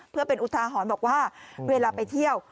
เพื่อเป็นอุทาหรณ์บอกว่าเวลาไปเที่ยว